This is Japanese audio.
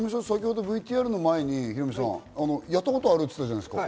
先ほどヒロミさん、ＶＴＲの前にやったことあるって言ってたじゃないですか。